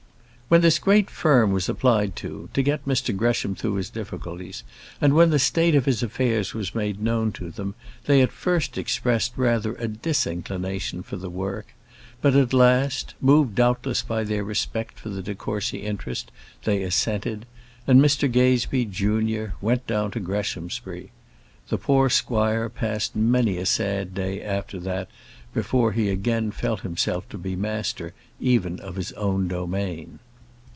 When this great firm was applied to, to get Mr Gresham through his difficulties, and when the state of his affairs was made known to them, they at first expressed rather a disinclination for the work. But at last, moved doubtless by their respect for the de Courcy interest, they assented; and Mr Gazebee, junior, went down to Greshamsbury. The poor squire passed many a sad day after that before he again felt himself to be master even of his own domain.